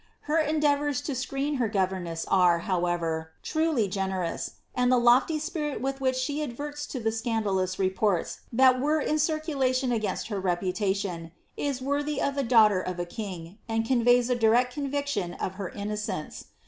Her endeavours to screen her goTerness are, owever, truly generous, and the lofty spirit with which she adverts to the scandalous reports that were in circulation against her reputation, is worthy of the daughter of a king, and conveys a direct conviction of her innocence.